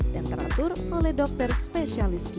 dan teratur oleh dokter spesialis gizi